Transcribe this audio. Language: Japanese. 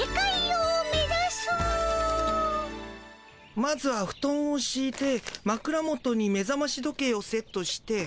まずはふとんをしいてまくら元に目ざまし時計をセットして。